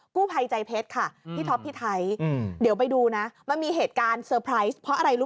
กู้ภัยใจเพชรค่ะพี่ท็อปพี่ไทยเดี๋ยวไปดูนะมันมีเหตุการณ์เซอร์ไพรส์เพราะอะไรรู้